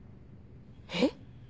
えっ